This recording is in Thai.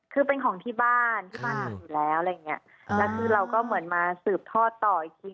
คือเป็นของที่บ้านที่บ้านทำอยู่แล้วอะไรอย่างเงี้ยแล้วคือเราก็เหมือนมาสืบทอดต่ออีกที